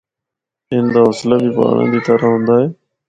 ان دا حوصلہ بھی پہاڑاں دی طرح ہوندا اے۔